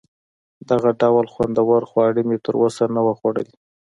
دغه ډول خوندور خواړه مې تر اوسه نه وه خوړلي.